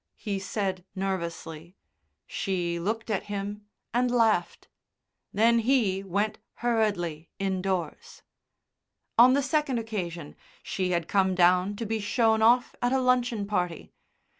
he said nervously. She looked at him and laughed. Then he went hurriedly indoors. On the second occasion she had come down to be shown off at a luncheon party.